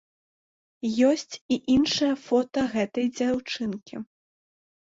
Ёсць і іншыя фота гэтай дзяўчынкі.